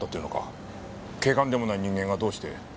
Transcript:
警官でもない人間がどうして。